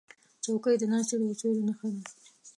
چوکۍ د ناستې د اصولو نښه ده.